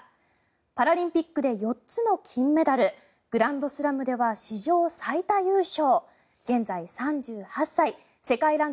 パラリンピックで４つの金メダルグランドスラムでは史上最多優勝。